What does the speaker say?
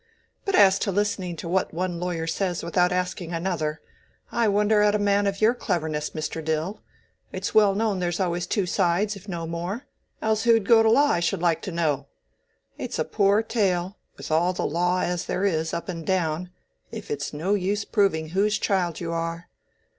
But as to listening to what one lawyer says without asking another—I wonder at a man o' your cleverness, Mr. Dill. It's well known there's always two sides, if no more; else who'd go to law, I should like to know? It's a poor tale, with all the law as there is up and down, if it's no use proving whose child you are.